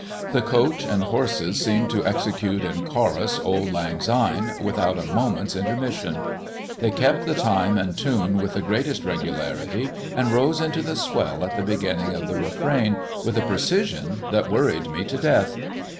The coach and horses seemed to execute in chorus Auld Lang Syne, without a moment's intermission. They kept the time and tune with the greatest regularity, and rose into the swell at the beginning of the Refrain, with a precision that worried me to death.